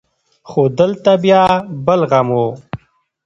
خو دلته بيا بل غم و.